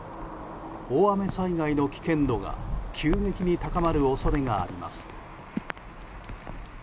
大雨災害の危険度が急激に高まる恐れがあります。